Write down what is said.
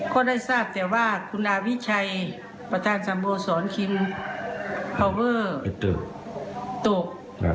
ก็ได้ทราบแต่ว่าคุณอาวิชัยประธานสโมสรคิมพาวเวอร์ตก